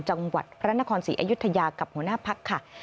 จังหวัดพระนครศรีอยุธยากับหัวหน้าพักค่ะ